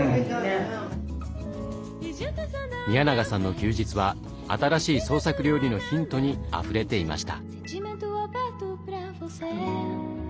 宮永さんの休日は新しい創作料理のヒントにあふれていました。